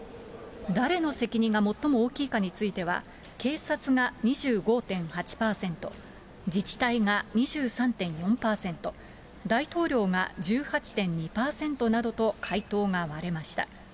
誰の責任が最も大きいかについては、警察が２５．８％、自治体が２３．４％、大統領が１８．２％などと回答が割れました。